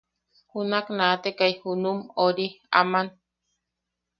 Junak naatekai junum ori aman.